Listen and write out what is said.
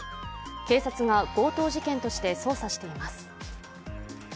警察が強盗事件として捜査しています。